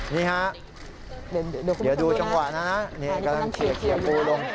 นี่ฮะเดี๋ยวดูจังหวะนะนี่กำลังเฉียบปูลง